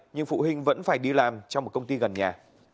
nhưng phụ huynh vẫn phải đi làm trong một công ty gần nhà